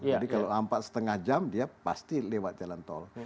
jadi kalau lampak setengah jam dia pasti lewat jalan tol